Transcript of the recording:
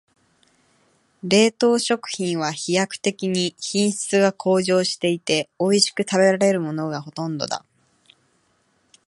冷凍食品は飛躍的に品質が向上していて、おいしく食べられるものがほとんどだ。